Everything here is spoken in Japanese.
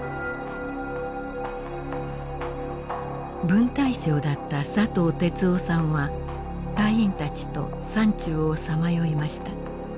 分隊長だった佐藤哲雄さんは隊員たちと山中をさまよいました。